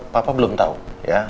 papa belum tahu ya